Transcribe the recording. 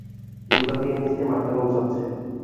জুতা দিয়ে নিজেকে মারতে মন চাচ্ছে।